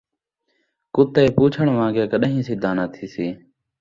کتے پوچھڑ وان٘گے کݙان٘ہیں سدھا ناں تھیسی